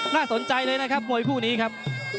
น่าสนใจเลยนะครับมวยคู่นี้ครับ